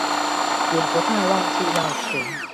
也不怕忘記要存